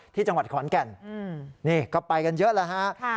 ที่จังหวัดขวัญแก่นอืมนี่ก็ไปกันเยอะแล้วฮะค่ะ